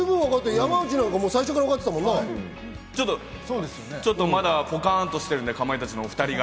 山内なんか最ちょっとまだポカンとしてるんで、かまいたちのお二人が。